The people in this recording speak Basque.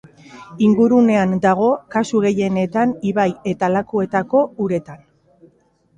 Ingurunean dago, kasu gehienetan ibai eta lakuetako uretan.